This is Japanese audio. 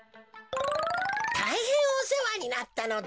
たいへんおせわになったのだ。